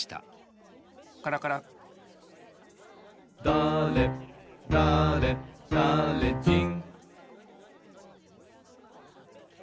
「だれだれだれじん」